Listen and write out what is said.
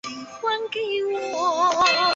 孔科特。